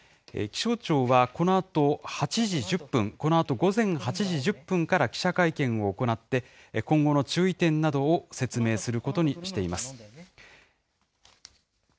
気象庁はこのあと８時１０分、このあと午前８時１０分から記者会見を行って、今後の注意点などを説明することにしています。